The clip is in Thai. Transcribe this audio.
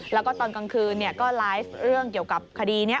แล้วก็ตอนกลางคืนก็ไลฟ์เรื่องเกี่ยวกับคดีนี้